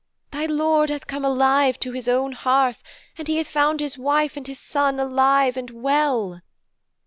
Thy lord hath come alive to his own hearth, and he hath found his wife and his son alive and well.'